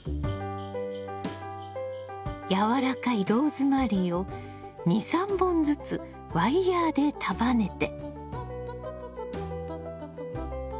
軟らかいローズマリーを２３本ずつワイヤーで束ねて。